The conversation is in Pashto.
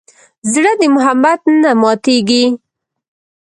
زړه د محبت نه ماتېږي.